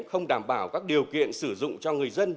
không đảm bảo các điều kiện sử dụng cho người dân